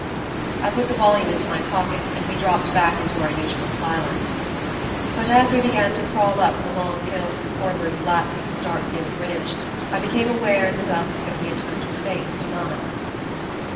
I put the volume into my pocket and we dropped back into our usual silence; but as we began to crawl up the long hill from Corbury Flats to the Starkfield ridge I became aware in the dusk that he had turned his face to mine.